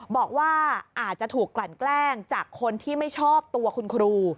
บอกว่าอาจจะถูกกลั่นแกล้งจากคนที่ไม่ชอบตัวคุณครู